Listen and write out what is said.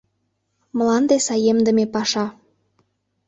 МЛАНДЕ САЕМДЫМЕ ПАША